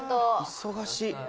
忙しい。